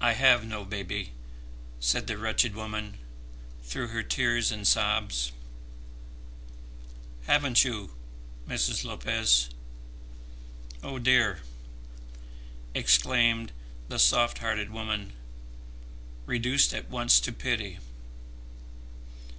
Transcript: "I have no baby," said the wretched woman through her tears and sobs. "Haven't you, Mrs. Lopez? Oh dear!" exclaimed the soft hearted woman, reduced at once to pity.